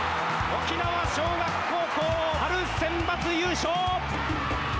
沖縄尚学高校春センバツ優勝。